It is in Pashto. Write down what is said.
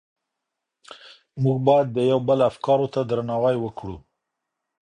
موږ بايد د يو بل افکارو ته درناوی وکړو.